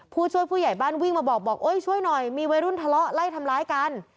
ผู้ช่วยผู้ใหญ่บ้านวิ่งมาบอกบอกเอ้ยช่วยหน่อยมีวัยรุ่นทะเลาะไล่ทำร้ายกัน